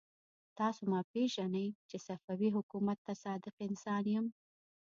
تاسو ما پېژنئ چې صفوي حکومت ته صادق انسان يم.